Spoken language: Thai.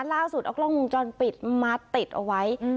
ล่าสูตรเอากล้องมอภ์ปิดมาติดไว้